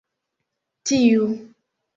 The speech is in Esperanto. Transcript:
tiu